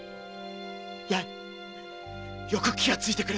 八重よく気がついてくれたな！